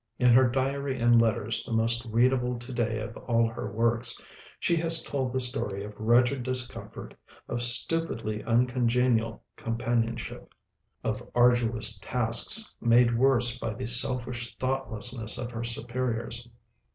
In her 'Diary and Letters,' the most readable to day of all her works, she has told the story of wretched discomfort, of stupidly uncongenial companionship, of arduous tasks made worse by the selfish thoughtlessness of her superiors.